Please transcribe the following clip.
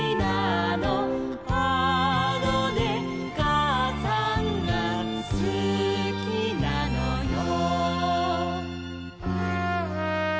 「あのねかあさんがすきなのよ」